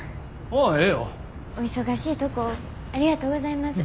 お忙しいとこありがとうございます。